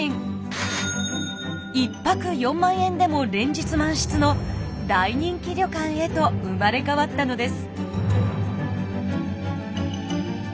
１泊４万円でも連日満室の大人気旅館へと生まれ変わったのです。